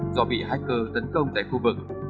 do bị hacker tấn công tại khu vực